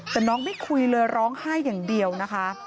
แต่น้องไม่คุยเลยร้องไห้อย่างเดียวนะคะ